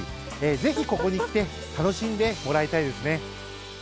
ぜひここに来て楽しんでもらいたいですね。